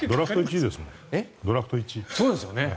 そうなんですよね。